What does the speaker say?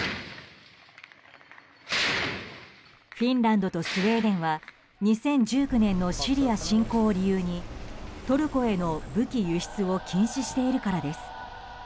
フィンランドとスウェーデンは２０１９年のシリア侵攻を理由にトルコへの武器輸出を禁止しているからです。